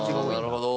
なるほど。